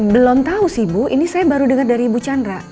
belum tahu sih bu ini saya baru dengar dari ibu chandra